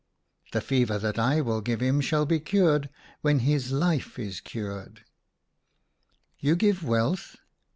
The fever that I will give him shall be cured when his life is cured." " You give wealth